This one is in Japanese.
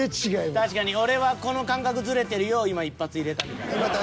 確かに俺はこの感覚ズレてるよを今一発入れたみたいな。